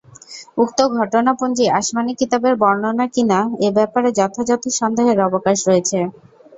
উক্ত ঘটনাপঞ্জি আসমানী কিতাবের বর্ণনা কি না এ ব্যাপারে যথাযথ সন্দেহের অবকাশ রয়েছে।